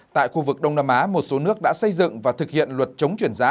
tại khu vực đông nam á một số nước đã xây dựng và thực hiện luật chống chuyển giá